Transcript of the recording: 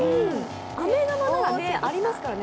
あめ玉ならありますからね。